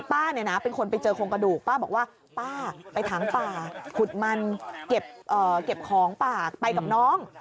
ป้าเนี่ยนะเป็นคนไปเจอโครงกระดูกป้าบอกว่าป้าไปถังป่าขุดมันเก็บของปากไปกับน้อง